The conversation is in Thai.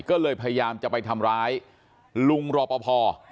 ก็เลยพยายามจะไปทำร้ายลุงรอปภ